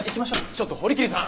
ちょっと堀切さん！